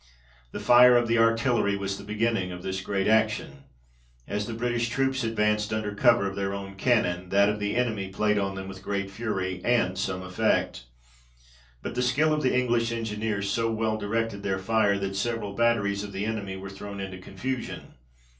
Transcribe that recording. The fire of the artillery was the beginning of this great action ; as the British troops advanced under cover of their own cannon, that of the enemy played on them with great fury, and some effect. But the skill of the English engineers so well directed their fire, that several batteries of the enemy were thrown into confusion.